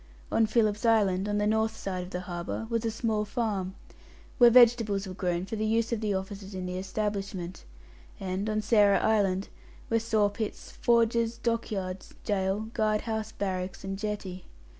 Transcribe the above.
On Philip's Island, on the north side of the harbour, was a small farm, where vegetables were grown for the use of the officers of the establishment; and, on Sarah Island, were sawpits, forges, dockyards, gaol, guard house, barracks, and jetty.